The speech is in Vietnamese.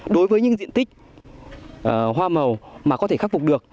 đối với những diện tích hoa màu mà có thể khắc phục được